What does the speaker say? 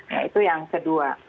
nah itu yang kedua